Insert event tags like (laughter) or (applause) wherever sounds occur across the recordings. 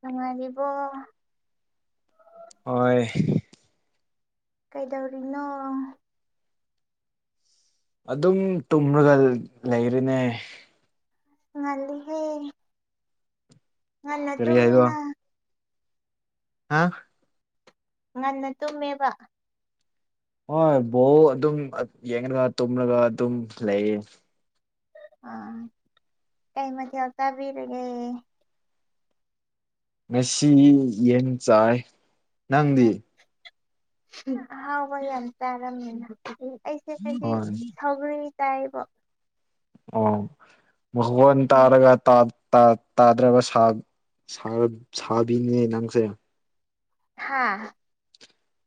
ꯅꯨꯉꯥꯏꯔꯤꯕꯣ ꯍꯣꯏ ꯀꯩꯗꯧꯔꯤꯅꯣ ꯑꯗꯨꯝ ꯇꯨꯝꯔꯒ ꯂꯩꯔꯦꯅꯦ ꯉꯜꯂꯤꯍꯦ ꯉꯟꯅꯥ ꯀꯔꯤ ꯍꯥꯏꯕ ꯇꯨꯝꯃꯤꯅꯥ ꯍꯥ ꯉꯟꯅ ꯇꯨꯝꯃꯦꯕ ꯍꯣꯏ ꯕꯣꯜ ꯑꯗꯨꯝ ꯌꯦꯡꯔꯒ ꯇꯨꯝꯔꯒ ꯑꯗꯨꯝ ꯂꯩꯌꯦ ꯑꯥ ꯀꯩ ꯃꯊꯦꯜ ꯆꯕꯤꯔꯒꯦ ꯉꯁꯤ ꯌꯦꯟ ꯆꯥꯏ ꯅꯪꯗꯤ ꯑꯍꯥꯎꯕ ꯌꯥꯝ ꯆꯥꯔꯝꯃꯦꯅ ꯑꯩꯁꯦ ꯉꯁꯤ ꯍꯣꯏ ꯁꯧꯒ꯭ꯔꯤ ꯆꯥꯏꯌꯦꯕꯣ ꯑꯣ ꯃꯈꯣꯟ ꯎꯝ ꯇꯥꯔꯒ ꯇꯥ ꯇꯥ ꯇꯥꯗ꯭ꯔꯕ ꯁꯥ ꯁꯥꯥ ꯁꯥꯔꯞ ꯁꯥꯕꯤꯅꯤꯅꯦ ꯅꯪꯁꯦ ꯍꯥꯥ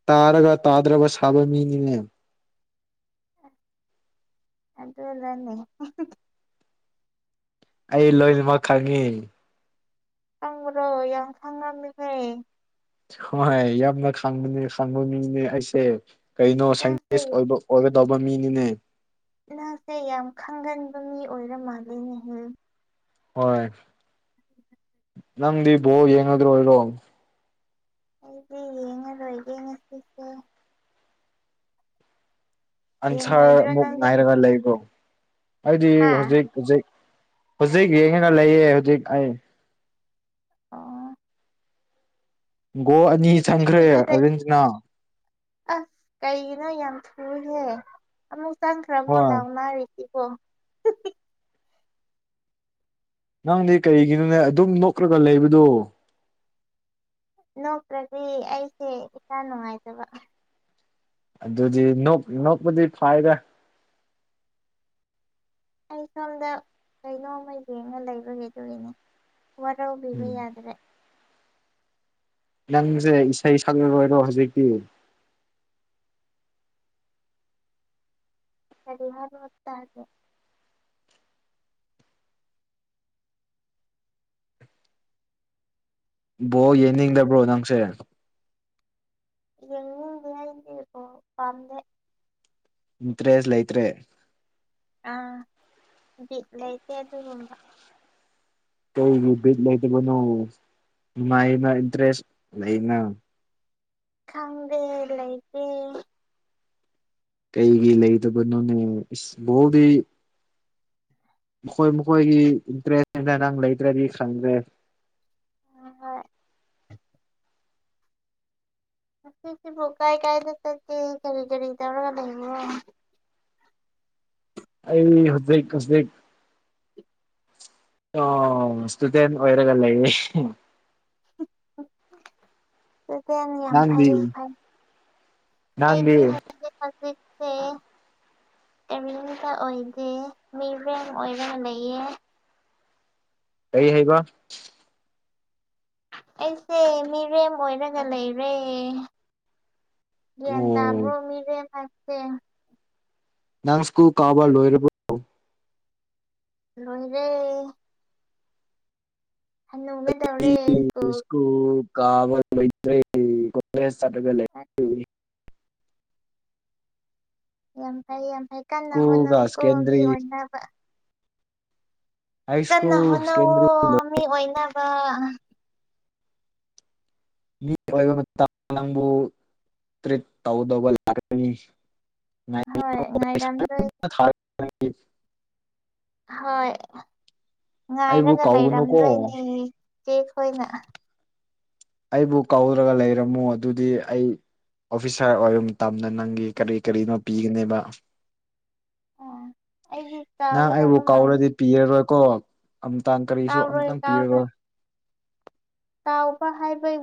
ꯇꯥꯔꯒ ꯇꯥꯗ꯭ꯔꯕ ꯁꯥꯕ ꯃꯤꯅꯤꯅꯦ ꯑꯗꯨꯅꯅꯤ ꯑꯩ ꯂꯣꯏꯅꯃꯛ ꯈꯪꯉꯤ ꯈꯪꯕ꯭ꯔꯣ ꯌꯥꯝ ꯈꯪꯉꯝꯃꯤꯍꯦ ꯍꯣꯏ ꯌꯥꯝꯅ ꯈꯪꯕꯅꯦ ꯈꯪꯕ ꯃꯤꯅꯦ ꯑꯩꯁꯦ ꯀꯩꯅꯣ ꯅꯪꯁꯦ ꯁꯥꯏꯟꯇꯤꯁ ꯑꯣꯏꯕ ꯑꯣꯏꯒꯗꯧꯕ ꯃꯤꯅꯤꯅꯦ ꯅꯪꯁꯦ ꯌꯥꯝ ꯈꯪꯒꯟꯕ ꯃꯤ ꯑꯣꯏꯔ ꯃꯥꯜꯂꯦꯅꯦꯍꯦ ꯍꯣꯏ ꯅꯪꯗꯤ ꯕꯣꯜ ꯌꯦꯡꯉꯗꯣꯏꯔꯣ ꯑꯩꯗꯤ ꯌꯦꯡꯉꯔꯣꯏꯗ ꯉꯁꯤꯁꯦ ꯑꯟꯁꯔ ꯌꯦꯡꯉꯣꯏꯗ꯭ꯔꯣ ꯃꯨꯛ ꯅꯪꯗꯤ ꯉꯥꯏꯔꯒ ꯂꯩꯕꯣ ꯑꯩꯗꯤ ꯍꯥ ꯍꯧꯖꯤꯛ ꯍꯧꯖꯤꯛ ꯍꯧꯖꯤꯛ ꯌꯦꯡꯉꯒ ꯂꯩꯌꯦ ꯍꯧꯖꯤꯛ ꯑꯩ ꯑꯥ ꯒꯣꯜ ꯑꯅꯤ ꯆꯟꯈ꯭ꯔꯦ ꯆꯤꯛꯄꯗꯨꯗ ꯑꯥꯔꯖꯦꯟꯇꯤꯅꯥ ꯑꯁ ꯀꯩꯒꯤꯅꯣ ꯌꯥꯝ ꯊꯨꯏꯍꯦ ꯑꯃꯨꯛ ꯆꯪꯈ꯭ꯔꯕꯣ ꯍꯣꯏ ꯂꯥꯎꯅꯥꯔꯤ ꯑꯣ ꯅꯪꯗꯤ ꯀꯔꯤꯒꯤꯅꯣꯅꯦ ꯑꯗꯨꯝ ꯅꯣꯛꯔꯒ ꯂꯩꯕꯗꯣ ꯅꯣꯛꯇ꯭ꯔꯗꯤ ꯑꯩꯁꯦ ꯏꯁꯥ ꯅꯨꯡꯉꯥꯏꯇꯕ ꯑꯗꯨꯗꯤ ꯅꯣꯛ ꯅꯣꯛꯄꯗꯤ ꯐꯥꯏꯔꯦ ꯑꯩ ꯁꯣꯝꯗ ꯀꯩꯅꯣꯝꯃ ꯌꯦꯡꯉ ꯂꯩꯕꯒꯤ ꯑꯗꯨꯒꯤꯅꯦ ꯋꯥꯔꯧꯕꯤꯕ ꯎꯝ ꯌꯥꯗ꯭ꯔꯦ ꯅꯪꯁꯦ ꯏꯁꯩ ꯁꯛꯂꯔꯣꯏꯔꯣ ꯍꯧꯖꯤꯛꯇꯤ ꯀꯔꯤ ꯍꯥꯏꯕꯅꯣ ꯇꯥꯗꯦ ꯕꯣꯜ ꯌꯦꯡꯅꯤꯡꯗꯕ꯭ꯔꯣ ꯅꯪꯁꯦ ꯌꯦꯡꯅꯤꯡꯗꯦ ꯑꯩꯗꯤ ꯕꯣꯜ ꯄꯥꯝꯗꯦ ꯏꯟꯇ꯭ꯔꯦꯁ ꯂꯩꯇ꯭ꯔꯦ ꯑꯥ ꯕꯤꯠ ꯂꯩꯇꯦ ꯑꯗꯨꯒꯨꯝꯕ ꯀꯔꯤꯒꯤ ꯕꯤꯠ ꯂꯩꯇꯕꯅꯣ ꯅꯥꯏꯅ ꯗ꯭ꯔꯦꯁ ꯂꯩꯅ ꯈꯪꯗꯦ ꯂꯩꯇꯦ ꯀꯩꯒꯤ ꯂꯩꯇꯕꯅꯣꯅꯦ ꯏꯁ ꯕꯣꯜꯗꯤ ꯃꯈꯣꯏ ꯃꯈꯣꯏꯒꯤ ꯏꯟꯇꯔꯦꯁ ꯍꯥꯏꯅ ꯅꯪ ꯂꯩꯇ꯭ꯔꯗꯤ ꯈꯪꯗ꯭ꯔꯦ ꯍꯣꯏ ꯑꯁꯤꯁꯤꯕꯨ ꯀꯥꯏ ꯀꯥꯏꯗ ꯆꯠꯀꯦ ꯀꯔꯤ ꯀꯔꯤ ꯇꯧꯔꯒ ꯂꯩꯕ꯭ꯔꯣ ꯑꯩ ꯍꯧꯖꯤꯛꯍꯧꯖꯤꯛ ꯑꯣ ꯏꯁꯇꯨꯗꯦꯟ ꯑꯣꯏꯔꯒ ꯂꯩꯌꯦ (inaudible) ꯌꯥꯝ ꯅꯪꯗꯤ ꯐꯩ ꯅꯪꯗꯤ ꯐꯩ ꯑꯩꯗꯤ (inaudible) ꯀꯔꯤꯝꯇꯠ ꯑꯣꯏꯗꯦ ꯃꯤꯔꯦꯝ ꯑꯣꯏꯔꯒ ꯂꯩꯌꯦ ꯀꯩ ꯍꯩꯕ ꯑꯩꯁꯦ ꯃꯤꯔꯦꯝ ꯑꯣꯏꯔꯒ ꯂꯩꯔꯦ ꯒ꯭ꯌꯥꯟ ꯑꯣ ꯇꯕ꯭ꯔꯣ ꯃꯤꯔꯦꯝ ꯍꯥꯏꯕꯁꯦ ꯅꯪ ꯁ꯭ꯀꯨꯜ ꯀꯕꯥ ꯂꯣꯏꯔꯕꯣ ꯂꯣꯏꯔꯦ ꯍꯅꯨꯒꯗꯧꯔꯦ ꯁ꯭ꯀꯨꯨꯜ ꯁ꯭ꯀꯨꯜ ꯀꯥꯕ ꯂꯩꯇ꯭ꯔꯦ ꯀꯣꯂꯦꯖ ꯆꯠꯂꯒ ꯂꯩꯔꯦ ꯌꯥꯝ ꯐꯩ ꯌꯥꯝ ꯐꯩ ꯀꯟꯅ ꯁ꯭ꯀꯨꯜꯒ ꯍꯣꯠꯅꯧꯀꯣ ꯃꯤ ꯁꯦꯀꯦꯟꯗ꯭ꯔꯤ ꯑꯣꯏꯅꯕ ꯍꯥꯏ ꯀꯟꯅ ꯁ꯭ꯀꯨꯜ ꯍꯣꯠꯅꯧꯋꯣ ꯁꯦꯀꯦꯟꯗ꯭ꯔꯤ ꯃꯤ ꯑꯣꯏꯅꯕ ꯃꯤ ꯑꯣꯏꯕ ꯃꯇꯝ ꯅꯪꯕꯨ ꯇ꯭ꯔꯤꯠ ꯇꯧꯗꯧꯕ ꯂꯥꯛꯀꯅꯤ ꯍꯣꯏ ꯉꯥꯏꯔꯝꯗꯣꯏ (unintelligible) ꯍꯣꯏ ꯑꯩꯕꯨ ꯉꯥꯏꯔꯒ ꯀꯧꯒꯅꯨꯀꯣ ꯂꯩꯔꯝꯗꯣꯏꯅꯦ ꯆꯦ ꯈꯣꯏꯅ ꯑꯩꯕꯨ ꯀꯧꯔꯒ ꯂꯩꯔꯝꯃꯣ ꯑꯗꯨꯗꯤ ꯑꯩ ꯑꯣꯐꯤꯁꯥꯔ ꯑꯣꯏꯔꯝ ꯃꯇꯝꯗ ꯅꯪꯒꯤ ꯀꯔꯤ ꯀꯔꯤꯅꯣ ꯄꯤꯒꯅꯦꯕ ꯑꯩꯗꯤ ꯅꯪ ꯑꯩꯕꯨ ꯀꯥꯎꯒꯗꯕ ꯃꯥꯟꯗꯦ ꯀꯥꯎꯔꯗꯤ ꯄꯤꯔꯔꯣꯏꯀꯣ ꯑꯝꯇꯥꯡ ꯀꯔꯤꯁꯨ ꯀꯥꯎꯔꯣꯏ ꯑꯝꯇꯪ ꯀꯥꯎꯔꯣꯏ ꯄꯤꯔꯔꯣꯏ ꯀꯥꯎꯕ ꯍꯥꯏꯕꯩ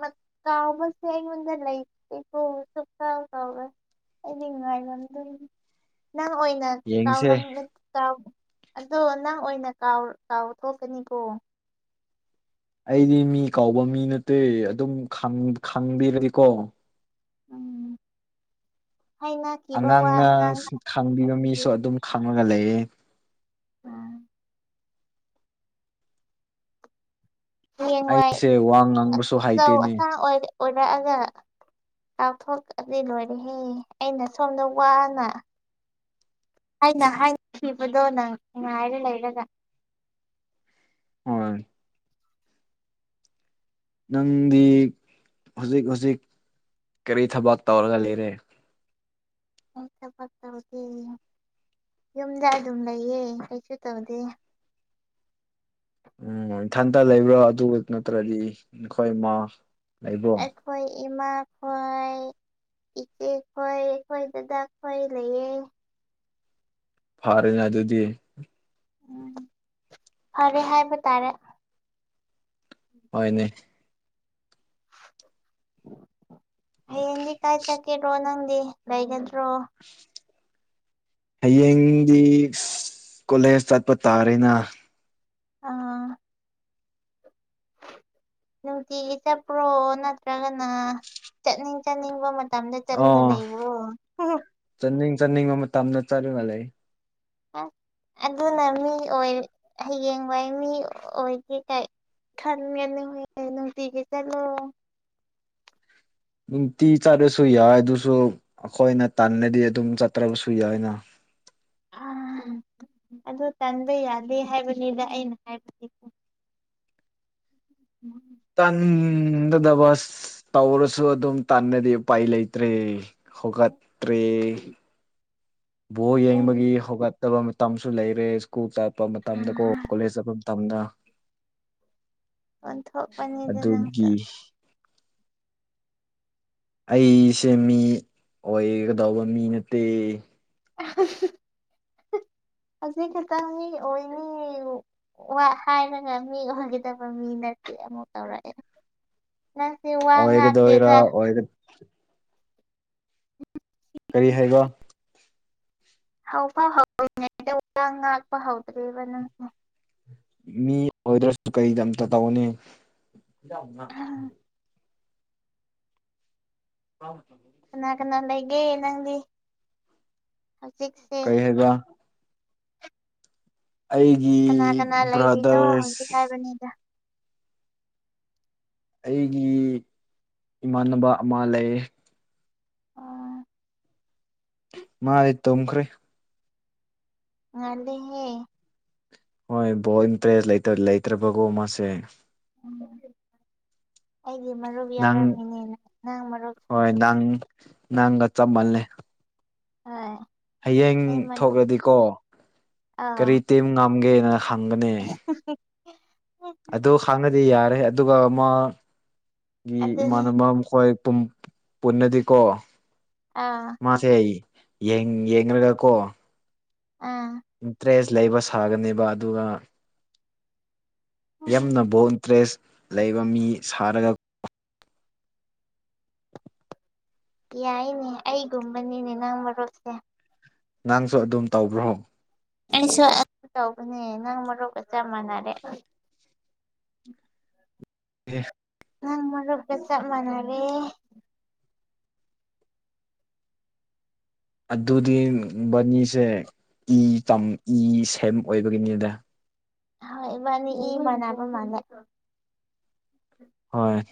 ꯃꯠ ꯀꯥꯎꯕꯁꯦ ꯑꯩꯉꯣꯟꯗ ꯂꯩꯇꯦꯀꯣ ꯁꯨꯡꯀꯎ ꯀꯎꯔꯣꯏ ꯑꯩꯗꯤ ꯅꯨꯉꯥꯏꯔꯝꯗꯨꯏꯅꯤ ꯅꯪ ꯑꯣꯏꯅ ꯌꯦꯡꯁꯦ ꯀꯥꯎꯔꯝ ꯀꯥꯎ ꯑꯗꯣ ꯅꯪ ꯑꯣꯏꯅ ꯀꯥꯎ ꯀꯥꯎꯊꯣꯛꯀꯅꯤꯀꯣ ꯑꯩꯗꯤ ꯃꯤ ꯀꯥꯎꯕ ꯃꯤ ꯅꯠꯇꯦ ꯑꯗꯨꯝ ꯈꯪ ꯈꯪꯕꯤꯔꯗꯤꯀꯣ ꯎꯝ ꯍꯥꯏꯅꯈꯤꯕ ꯋꯥ ꯑꯉꯥꯡꯅ ꯉꯥꯡꯅꯔꯦ ꯈꯪꯕꯤꯕ ꯑꯗꯨꯗꯤ ꯃꯤꯁꯨ ꯑꯗꯨꯝ ꯈꯪꯔꯒ ꯂꯩꯌꯦ ꯎꯝ ꯍꯌꯦꯡꯋꯥꯏ ꯑꯩꯁꯦ ꯋꯥ ꯉꯥꯡꯕꯁꯨ ꯑꯆꯧ ꯍꯩꯇꯦꯅꯦ ꯑꯁꯥꯡ ꯑꯣꯏ ꯑꯣꯏꯔꯛꯑꯒ ꯀꯥꯎꯊꯣꯛꯑꯗꯤ ꯂꯣꯏꯔꯦꯍꯦ ꯑꯩꯅ ꯁꯣꯝꯗ ꯋꯥꯅ ꯑꯩꯅ ꯍꯥꯏꯈꯤꯕꯗꯣ ꯅꯪ ꯉꯥꯏꯔ ꯂꯩꯔꯒ ꯍꯣꯏ ꯅꯪꯗꯤ ꯍꯧꯖꯤꯛ ꯍꯧꯖꯤꯛ ꯀꯔꯤ ꯊꯕꯛ ꯇꯧꯔꯒ ꯂꯩꯔꯦ ꯑꯩ ꯊꯕꯛꯇꯧꯗꯦ ꯌꯨꯝꯗ ꯑꯗꯨꯝ ꯂꯩꯌꯦ ꯀꯩꯁꯨ ꯇꯧꯗꯦ ꯎꯝ ꯏꯊꯟꯇ ꯂꯩꯕ꯭ꯔꯣ ꯑꯗꯨ ꯅꯠꯇ꯭ꯔꯗꯤ ꯅꯈꯣꯏ ꯃꯥ ꯂꯩꯕ꯭ꯔꯣ ꯑꯩꯈꯣꯏ ꯏꯃꯥꯈꯣꯏ ꯏꯆꯦ ꯈꯣꯏ ꯑꯩꯈꯣꯏ ꯗꯥꯗꯥ ꯈꯣꯏ ꯂꯩꯌꯦ ꯐꯥꯔꯦꯅꯦ ꯑꯗꯨꯗꯤ ꯎꯝ ꯐꯔꯦ ꯍꯥꯏꯕ ꯇꯥꯔꯦ ꯍꯣꯏꯅꯦ (inaudible) ꯍꯌꯦꯡꯗꯤ ꯀꯥꯏ ꯆꯥꯠꯀꯦꯔꯣ ꯅꯪꯗꯤ ꯂꯩꯒꯗ꯭ꯔꯣ ꯍꯥꯌꯦꯡꯗꯤ ꯀꯣꯂꯦꯖ ꯆꯠꯄ ꯇꯥꯔꯦꯅ ꯑꯥ ꯅꯨꯡꯇꯤꯒꯤ ꯆꯠꯄ꯭ꯔꯣ ꯅꯠꯇ꯭ꯔꯒꯅ ꯆꯠꯅꯤꯡ ꯆꯠꯅꯤꯡꯕ ꯃꯇꯝꯗ ꯆꯠꯂꯒ ꯑꯣ ꯂꯩꯕ꯭ꯔꯣ ꯇꯝꯗ ꯆꯠꯂꯒ ꯂꯩ ꯍꯥꯎ ꯑꯗꯨꯅ ꯃꯤ ꯑꯣꯏ ꯍꯥꯌꯦꯡꯋꯥꯏ ꯃꯤ ꯑꯣꯏꯔꯒ ꯈꯟꯒꯅꯨꯍꯣꯏ ꯅꯨꯡꯇꯤꯒꯤ ꯆꯠꯂꯣ ꯅꯨꯡꯇꯤ ꯆꯠꯂꯁꯨ ꯌꯥꯏ ꯑꯗꯨꯁꯨ ꯑꯩꯈꯣꯏꯅ ꯇꯥꯟꯅꯔꯗꯤ ꯑꯗꯨꯝ ꯆꯠꯇ꯭ꯔꯕꯁꯨ ꯌꯥꯏꯅ (inaudible) ꯑꯝ ꯑꯗꯨ ꯇꯟꯕ ꯌꯥꯗꯦ ꯍꯥꯏꯕꯅꯤꯗ ꯑꯩꯅ ꯍꯥꯏꯕꯁꯤ (inaudible) ꯇꯟꯗꯕꯁ ꯇꯧꯔꯁꯨ ꯑꯗꯨꯝ ꯇꯟꯅꯗꯤ ꯎꯄꯥꯏ ꯂꯩꯇ꯭ꯔꯦ ꯍꯧꯒꯠꯇ꯭ꯔꯤ ꯕꯣꯜ ꯅꯪ ꯌꯦꯡꯕꯒꯤ ꯍꯧꯒꯠꯇꯕ ꯃꯇꯝꯁꯨ ꯂꯩꯔꯦ ꯁ꯭ꯀꯨꯜ ꯆꯠꯄ ꯑ ꯃꯇꯝꯗꯀꯣ ꯀꯣꯂꯦꯖ ꯆꯠꯄ ꯃꯇꯝꯗ ꯑꯣꯟꯊꯣꯛꯄꯅꯤꯗ ꯑꯗꯨꯒꯤ ꯅꯪꯁꯨ ꯑꯩꯁꯦ ꯃꯤ ꯑꯣꯏꯒꯗꯧꯕ ꯃꯤ ꯅꯠꯇꯦ (unintelligible) (inaudible) ꯍꯧꯖꯤꯛ ꯈꯇꯪ ꯃꯤꯑꯣꯏꯅꯤ ꯋꯥ ꯍꯥꯏꯔꯒ ꯃꯤ ꯑꯣꯏꯒꯗꯕ ꯃꯤ ꯅꯠꯇꯦ ꯑꯃꯨꯛ ꯇꯧꯔꯛ ꯑꯦ (inaudible) ꯑꯣꯏꯒꯗꯣꯏꯔ ꯑꯣꯏ (inaudible) ꯀꯔꯤ ꯍꯥꯏꯕ ꯍꯥꯎ ꯐꯥꯎ (unintelligible) ꯉꯥꯛꯄ ꯍꯧꯗ꯭ꯔꯤꯕ ꯅꯪ ꯃꯤ ꯑꯣꯏꯗ꯭ꯔꯁꯨ ꯀꯩꯗꯝꯇ ꯇꯧꯅꯤ (unintelligible) ꯀꯅꯥ ꯀꯅꯥ ꯂꯩꯒꯦ ꯅꯪꯗꯤ ꯍꯧꯖꯤꯛꯁꯦ ꯀꯩ ꯍꯥꯏꯕ ꯑꯩꯒꯤ ꯀꯅꯥ ꯀꯅꯥ ꯂꯩꯔꯤꯅꯣ ꯕ꯭ꯔꯥꯗꯔꯁ ꯍꯧꯖꯤꯛ ꯍꯥꯏꯕꯅꯤꯗ ꯑꯩꯒꯤ ꯏꯃꯥꯟꯅꯕ ꯑꯃ ꯂꯩꯌꯦ ꯑꯣ ꯃꯥꯗꯤ ꯇꯨꯝꯈ꯭ꯔꯦ ꯉꯥꯟꯗꯦꯍꯦ ꯍꯣꯏ ꯕꯣꯜ ꯏꯞꯇ꯭ꯔꯦꯁ ꯂꯩꯇ ꯂꯩꯇ꯭ꯔꯕꯒꯨꯝ ꯃꯥꯁꯦ ꯎꯝ ꯑꯩꯒꯤ ꯃꯔꯨꯞ ꯅꯪ ꯌꯥꯎꯔꯝꯃꯤꯅꯦ ꯅꯪ ꯃꯔꯨꯞꯇꯨ ꯍꯣꯏ ꯅꯪ ꯅꯪꯒ ꯆꯞꯃꯜꯂꯦ INAUDIBLE ꯍꯌꯦꯡ ꯊꯣꯛꯂꯗꯤꯀꯣ ꯑꯥ ꯀꯔꯤ ꯇꯤꯝ ꯉꯝꯒꯦꯅ ꯈꯪꯒꯅꯤ ꯑꯗꯨ ꯈꯥꯡꯉꯗꯤ ꯌꯥꯔꯦ ꯑꯗꯨꯒ ꯃꯥ ꯒꯤ ꯑꯗꯨꯅꯤ ꯏꯃꯥꯟꯅꯕ ꯃꯈꯣꯏ ꯄꯨꯟ- ꯄꯨꯟꯅꯗꯤꯀꯣ ꯑꯥ ꯃꯥꯖꯦ ꯑꯩ ꯌꯦꯡ ꯌꯦꯡꯉꯥꯒ꯭ ꯀꯣ ꯎꯪ ꯗ꯭ꯔꯦꯁ ꯂꯩꯕ ꯁꯥꯒꯅꯦꯕ ꯑꯗꯨꯒ ꯌꯥꯝꯅ ꯕꯣꯜ ꯇ꯭ꯔꯦꯁ ꯂꯩꯕ ꯃꯤ ꯁꯥꯔꯒ ꯌꯥꯏꯅꯦ ꯑꯩꯒꯨꯝꯕꯅꯤꯅꯦ ꯅꯪ ꯃꯔꯨꯞꯁꯦ ꯅꯪꯁꯨ ꯑꯗꯨꯝ ꯇꯧꯕ꯭ꯔꯣ ꯑꯩꯁꯨ ꯑꯗꯨꯝ ꯇꯧꯕꯅꯦ ꯅꯪ ꯃꯔꯣꯞꯀ ꯆꯞ ꯃꯥꯟꯅꯔꯦ INAUDIBLE INAUDIBLE ꯅꯪ ꯃꯔꯨꯞꯀ ꯆꯞ ꯃꯥꯟꯅꯔꯦ ꯑꯗꯨꯗꯤ ꯕꯅꯤꯖꯦ ꯏ ꯇꯝ ꯏ ꯁꯦꯔꯝ ꯑꯣꯏꯕꯒꯤꯅꯤꯗ ꯍꯣꯏ ꯏꯕꯥꯟꯅꯤ ꯏ ꯃꯥꯟꯅꯥꯕ ꯃꯥꯜꯂꯦ ꯍꯣꯑꯣꯢ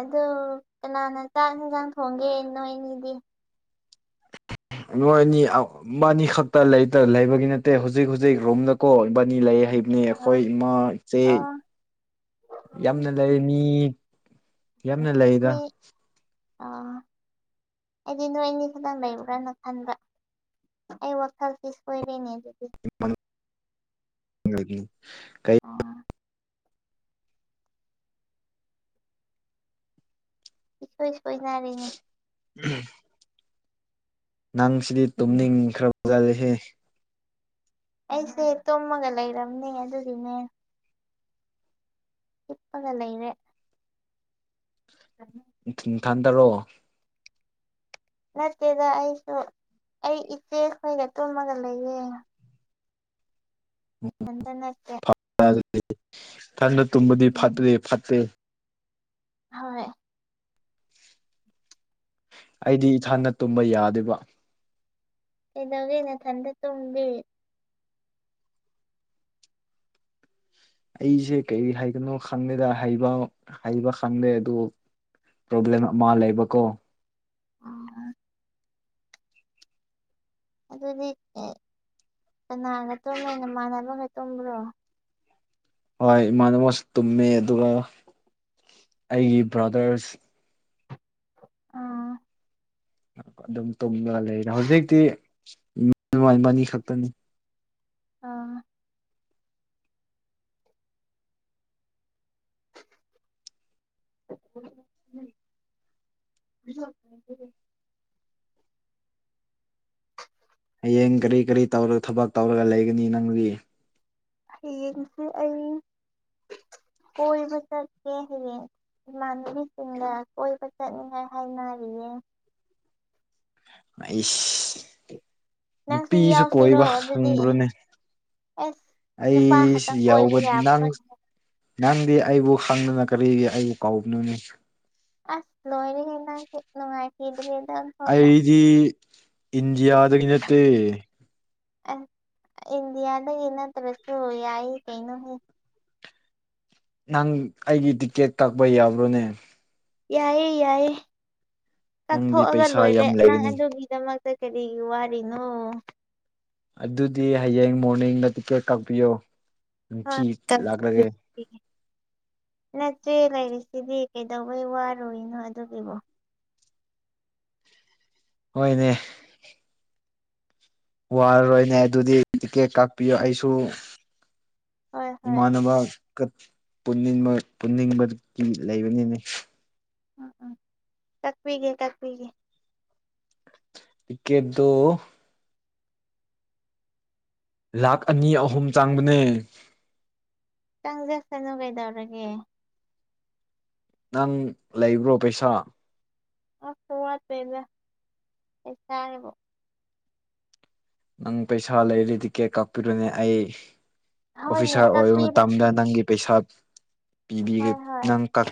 ꯑꯗꯨ ꯀꯅꯥꯅ ꯆꯥꯛ- ꯢꯟꯁꯥꯡ ꯊꯣꯡꯒꯦ ꯅꯣꯏꯅꯤꯗꯤ INAUDIBLE ꯅꯣꯏ ꯑꯅꯤ ꯏꯕꯥꯅꯤ ꯈꯛꯇ ꯂꯩꯇ ꯂꯩꯕꯒꯤ ꯅꯠꯇꯦ ꯍꯨꯖꯤꯛ ꯍꯨꯖꯤꯛ ꯔꯣꯝꯅꯀꯣ ꯏꯕꯥꯅꯤ ꯂꯩꯌꯦ ꯂꯩꯕꯅꯦ ꯑ ꯑꯩꯈꯣꯏ ꯏꯃꯥ ꯏꯆꯦ ꯌꯥꯝꯅ ꯂꯩ ꯃꯤ ꯌꯥꯝꯅ ꯂꯩꯗ INAUDIBLE ꯑꯩꯗꯤ ꯅꯣꯏ ꯑꯅꯤ ꯈꯇꯪ ꯂꯩꯕ꯭ꯔꯅ ꯈꯟꯕ ꯑꯩ ꯋꯥꯈꯜꯁꯤ ꯁꯣꯏꯔꯦꯅꯦ ꯑꯗꯨꯗꯤ INAUDIBLE ꯑꯥꯑꯥ ꯏꯁꯣꯏ- ꯁꯣꯏꯅꯥꯔꯦꯉꯣ INAUDIBLE ꯅꯪ ꯁꯤꯗꯤ ꯇꯨꯝꯅꯤꯡꯈ꯭ꯔꯕ ꯖꯥꯠꯅꯦꯍꯦ ꯑꯩꯁꯦ ꯇꯨꯝꯃꯒ ꯂꯩꯔꯝꯅꯤ ꯑꯗꯨꯒꯤꯅꯦ ꯍꯤꯞꯄꯒ ꯂꯩꯔꯦ ꯅꯥꯊꯟꯇꯔꯣ ꯅꯠꯇꯦꯗ ꯑꯩꯁꯨ ꯑꯩ ꯏꯆꯦ ꯈꯣꯏꯒ ꯇꯨꯝꯃꯒ ꯂꯩꯌꯦ ꯏꯊꯟꯇ ꯅꯠꯇꯦ ꯏꯊꯟꯇ ꯇꯨꯝꯕꯗꯤ ꯎꯝ ꯐꯠꯇ꯭ꯔꯦ ꯐꯠꯇꯦ ꯍꯣꯏ ꯑꯩꯗꯤ ꯏꯊꯟꯗ ꯇꯨꯝꯕ ꯌꯥꯗꯦꯕ ꯀꯩꯗꯧꯒꯦ ꯅꯊꯟꯗ ꯇꯨꯝꯃꯗꯤ ꯑꯩꯖꯦ ꯀꯔꯤ ꯍꯥꯏꯒꯅꯣ ꯈꯪꯗꯦꯗ ꯍꯩꯕ ꯍꯩꯕ ꯈꯪꯗꯦ ꯑꯗꯨ ꯄ꯭ꯔꯣꯕ꯭ꯂꯦꯝ ꯑꯃꯥ ꯂꯩꯕ ꯀꯣ ꯎꯝ ꯑꯥꯗꯨꯗꯤ ꯀꯅꯥꯒ ꯇꯨꯝꯒꯦ ꯅꯃꯥꯟꯅꯕꯒ ꯇꯨꯝꯕ꯭ꯔꯣ ꯍꯣꯏ ꯏꯃꯥꯟꯅꯕꯒꯁꯨ ꯇꯨꯝꯃꯦ ꯑꯗꯨꯒ ꯑꯩꯒꯤ ꯕ꯭ꯔꯗꯔꯁ ꯑꯣ ꯑꯗꯨꯝ ꯇꯨꯝꯂꯒ ꯂꯩꯗ ꯍꯧꯖꯤꯛꯇꯤ ꯃꯅꯤ ꯈꯛꯇꯅꯤ ꯑꯥ (inaudible) (inaudible) ꯍꯌꯦꯡ ꯀꯔꯤ ꯀꯔꯤ ꯇꯧꯔ ꯊꯕꯛ ꯇꯧꯔꯒ ꯂꯩꯒꯅꯤ ꯅꯪꯗꯤ ꯍꯌꯦꯡꯁꯤ ꯑꯩ ꯀꯣꯏꯕ ꯆꯠꯀꯦ ꯍꯌꯦꯡ ꯏꯃꯥꯟꯅꯕꯤꯁꯤꯡꯒ ꯀꯣꯏꯕ ꯆꯠꯅꯤꯡꯉꯥꯏ ꯍꯥꯏꯅꯔꯤꯌꯦ ꯑꯩꯁ ꯅꯪꯁꯨ ꯅꯨꯄꯤꯁꯨ ꯌꯥꯎꯁꯤꯔꯣ ꯀꯣꯏꯕ ꯑꯗꯨꯗꯤ ꯈꯪꯕ꯭ꯔꯣꯅꯦ ꯑꯁ ꯅꯨꯄꯥ ꯑꯩꯁꯤ ꯈꯛꯇꯪ ꯀꯣꯏꯕ ꯌꯥꯎꯕ ꯅꯪ ꯌꯥꯕ꯭ꯔꯣꯅꯦ ꯅꯪꯗꯤ ꯑꯩꯕꯨ ꯈꯪꯗꯅ ꯀꯔꯤꯒꯤ ꯑꯩꯕꯨ ꯀꯧꯕꯅꯣꯅꯦ ꯌꯦ (unintelligible) ꯑꯩꯗꯤ ꯏꯟꯗꯤꯌꯥꯗꯒꯤ ꯅꯠꯇꯦ ꯑꯦ ꯏꯟꯗꯤꯌꯥꯗꯩ ꯅꯠꯇ꯭ꯔꯁꯨ ꯌꯥꯏ ꯀꯩꯅꯣꯅꯦ ꯅꯪ ꯑꯩꯒꯤ ꯇꯤꯛꯀꯦꯠ ꯀꯛꯄ ꯌꯥꯕ꯭ꯔꯣꯅꯦ ꯌꯥꯏꯌꯦ ꯌꯥꯏꯌꯦ ꯅꯪꯗꯤ ꯀꯛꯊꯣꯛꯑꯒ ꯄꯩꯁꯥ ꯂꯣꯏꯔꯦ ꯌꯥꯝ ꯅꯪ ꯂꯩꯒꯅꯤ ꯑꯗꯨꯒꯤꯗꯃꯛ ꯀꯔꯤꯒꯤ ꯋꯥꯔꯤꯅꯣ ꯑꯗꯨꯗꯤ ꯍꯌꯦꯡ ꯃꯣꯔꯅꯤꯡꯗ ꯇꯤꯛꯀꯦꯠ ꯀꯛꯄꯤꯌꯣ ꯎꯆꯤ ꯂꯥꯛꯂꯒꯦ ꯅꯠꯇꯦ ꯂꯥꯏꯔꯤꯁꯤꯗꯤ ꯀꯩꯗꯧꯕꯩ ꯋꯥꯔꯨꯢꯅꯣ ꯑꯗꯨꯒꯤꯕꯨ ꯍꯣꯏꯅꯦ ꯋꯥꯔꯔꯣꯏꯅꯦ ꯑꯗꯨꯗꯤ ꯇꯤꯀꯦꯠ ꯀꯛꯄꯤꯌꯣ ꯎꯝ ꯑꯩꯁꯨ ꯍꯣꯏ ꯍꯣꯏ ꯏꯃꯥꯟꯅꯕꯥ ꯀꯠ ꯄꯨꯟꯅꯤꯡꯕ ꯄꯨꯟꯅꯤꯡꯕꯒꯤ ꯂꯩꯕꯅꯤꯅꯦ ꯎꯝ ꯎꯝ ꯀꯛꯄꯤꯒꯦ ꯀꯛꯄꯤꯒꯦ ꯇꯤꯀꯦꯠꯗꯣ ꯂꯥꯛ ꯑꯅꯤ ꯑꯍꯨꯝ ꯆꯥꯡꯕꯅꯦ ꯆꯪꯖꯁꯅꯨ ꯀꯩꯗꯧꯔꯒꯦ ꯅꯪ ꯂꯩꯕ꯭ꯔꯣ ꯄꯩꯁꯥ ꯑ ꯁꯨꯡꯋꯥꯠ ꯋꯥꯠꯇꯦꯗ ꯄꯩꯁꯥꯒꯤꯕꯣ ꯅꯪ ꯄꯩꯁꯥ ꯂꯩꯔꯤ ꯇꯤꯀꯦꯠ ꯀꯛꯄꯤꯔꯣꯅꯦ ꯑꯩ ꯍꯣꯏꯅꯦ ꯑꯣꯐꯤꯁꯥꯔ ꯑꯣꯏꯔ ꯀꯛꯄꯤꯔꯒꯦ ꯃꯇꯝꯗ ꯅꯪꯒꯤ ꯄꯩꯁꯥ ꯄꯤꯕꯤꯒꯦ ꯍꯣꯏ ꯍꯣꯏ ꯅꯪ ꯀꯛ